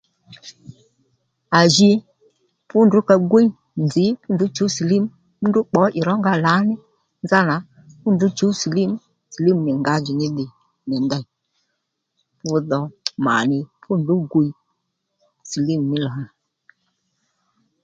À ji fú ndrǔ ka gwíy nzǐ fú ndrǔ chǔw silímù fú ndrǔ pbǒ ì rónga lǎní nzánà fú ndrǔ chǔw silímù silímù nì ngǎjìní dhi nì ndey ddudho mànì fú ndrǔ gwiy silímù mí lò nà